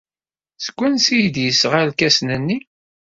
Seg wansi ay d-yesɣa irkasen-nni?